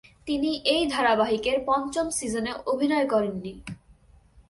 তিনি এই ধারাবাহিকের পঞ্চম সিজনে অভিনয় করেননি।